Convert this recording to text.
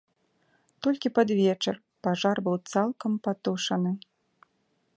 Толькі пад вечар пажар быў цалкам патушаны.